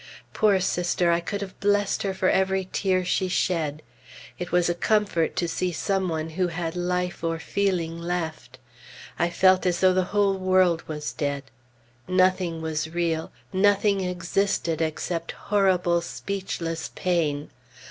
Poor Sister! I could have blessed her for every tear she shed. It was a comfort to see some one who had life or feeling left. I felt as though the whole world was dead. Nothing was real, nothing existed except horrible speechless pain.